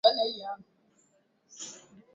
Ni ukamilifu kwa kila mtu.